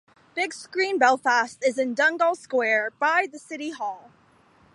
Big Screen Belfast is in Donegall Square by the City Hall.